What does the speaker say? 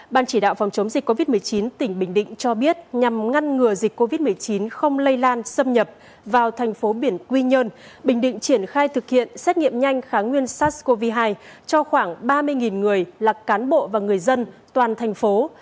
ban chỉ đạo phòng chống dịch covid một mươi chín tỉnh bình định cho biết nhằm ngăn ngừa dịch covid một mươi chín không lây lan xâm nhập vào thành phố biển quy nhơn bình định triển khai thực hiện xét nghiệm nhanh kháng nguyên sars cov hai cho khoảng ba mươi người là cán bộ và người dân toàn thành phố